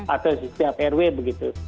atau setiap rw begitu